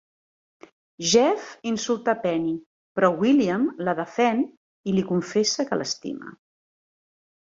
Jeff insulta Penny, però William la defèn i li confessa que l'estima.